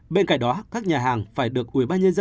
bên cạnh đó các nhà hàng phải được ubnd